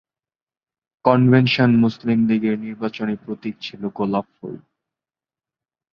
Convention মুসলিম লীগের নির্বাচনী প্রতীক ছিল গোলাপ ফুল।